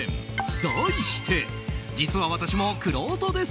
題して、実は私もくろうとです！